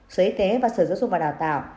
sở y tế và sở giáo dục và đào tạo